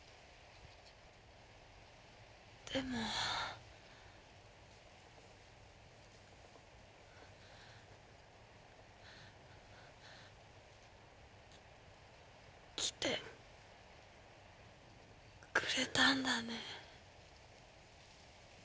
でも。来てくれたんだね。